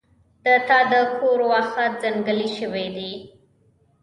د تا د کور واښه ځنګلي شوي دي